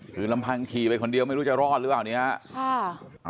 คือลำพังขี่ไปคนเดียวไม่รู้จะรอดหรือเปล่าเนี่ย